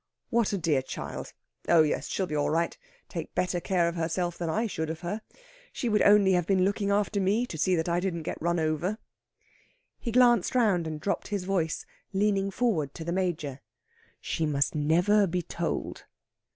"What a dear child!... Oh yes; she'll be all right. Take better care of herself than I should of her. She would only have been looking after me, to see that I didn't get run over." He glanced round and dropped his voice, leaning forward to the Major. "She must never be told."